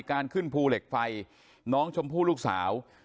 การขึ้นภูเหล็กไฟน้องชมพู่ลูกสาว